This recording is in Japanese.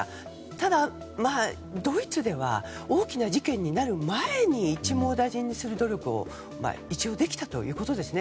ただ、ドイツでは大きな事件になる前に一網打尽にする努力を一応、できたということですね。